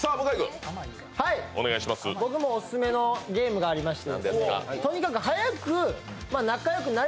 僕もオススメのゲームがありまして。